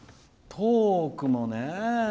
トークもね